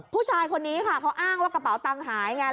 ผู้ชายคนนี้ค่ะเขาอ้างว่ากระเป๋าตังค์หายไง